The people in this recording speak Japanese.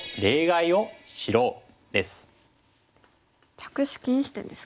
着手禁止点ですか。